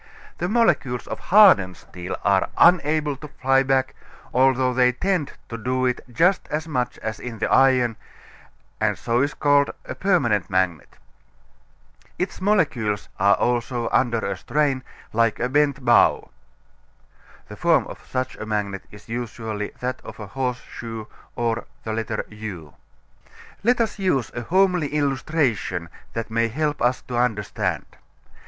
The molecules of hardened steel are unable to fly back, although they tend to do it just as much as in the iron, and so it is called a permanent magnet. Its molecules also are under a strain, like a bent bow. (The form of such a magnet is usually that of a horse shoe, or U.) Let us use a homely illustration that may help us to understand.